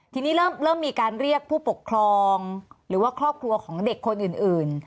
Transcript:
ทีนี้เริ่มมีการเรียกผู้ปกครองหรือว่าครอบครัวของเด็กคนอื่น